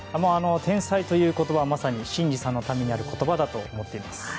天才という言葉はまさに伸二さんのためにある言葉だと思っています。